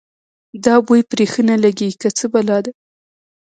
دا بوی پرې ښه نه لګېږي که څه بلا ده.